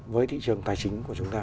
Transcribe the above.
với thị trường tài chính của chúng ta